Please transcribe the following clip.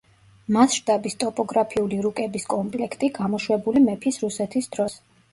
მასშტაბის ტოპოგრაფიული რუკების კომპლექტი, გამოშვებული მეფის რუსეთის დროს.